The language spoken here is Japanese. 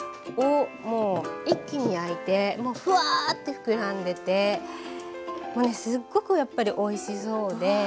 もう一気に焼いてフワッて膨らんでてすっごくやっぱりおいしそうで。